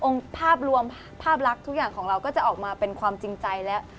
ภาพรวมภาพลักษณ์ทุกอย่างของเราก็จะออกมาเป็นความจริงใจแล้ว